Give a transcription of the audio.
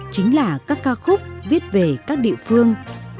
chính là các ca khúc viết về các địa phương